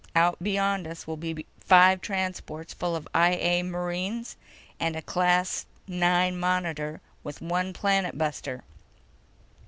Out beyond us will be five transports full of I A marines and a Class IX Monitor with one planet buster.